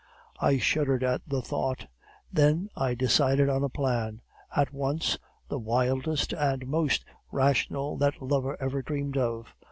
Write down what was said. "I shuddered at the thought. Then I decided on a plan, at once the wildest and the most rational that lover ever dreamed of.